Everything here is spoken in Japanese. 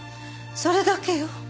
それだけよ。